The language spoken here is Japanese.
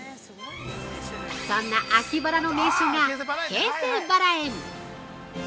◆そんな秋バラの名所が京成バラ園。